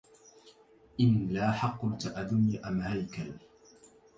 إن لاح قلت أدمية أم هيكل